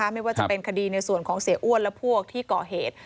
ไม่ว่าจะเป็นคดีในส่วนของเสียอ้วนและพวกที่ก่อเหตุ